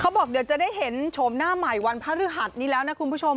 บอกเดี๋ยวจะได้เห็นโฉมหน้าใหม่วันพระฤหัสนี้แล้วนะคุณผู้ชม